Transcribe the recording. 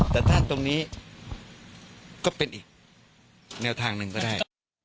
แต่ถ้าตรงนี้ก็เป็นอีกแนวทางหนึ่งก็ได้